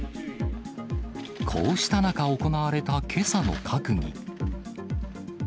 こうした中、行われたけさの閣議。